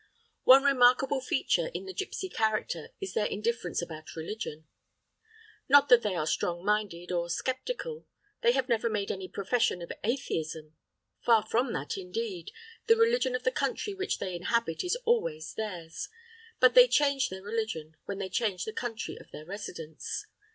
One remarkable feature in the gipsy character is their indifference about religion. Not that they are strong minded or sceptical. They have never made any profession of atheism. Far from that, indeed, the religion of the country which they inhabit is always theirs; but they change their religion when they change the country of their residence.